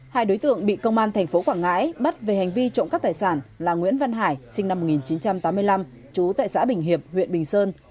hai đối tượng bị công an thành phố quảng ngãi bắt về hành vi trộm các tài sản là nguyễn văn hải sinh năm một nghìn chín trăm tám mươi năm chú tại xã bình hiệp huyện bình sơn